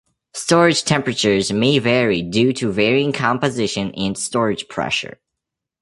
Storage temperatures may vary due to varying composition and storage pressure.